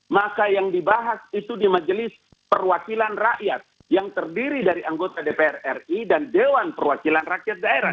maka yang dibahas itu di majelis perwakilan rakyat yang terdiri dari anggota dpr ri dan dewan perwakilan rakyat daerah